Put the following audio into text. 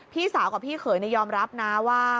พี่สาวกับพี่เขยยอมรับนะว่า